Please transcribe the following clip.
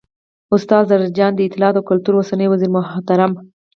، استاد زرجان، د اطلاعات او کلتور اوسنی وزیرمحترم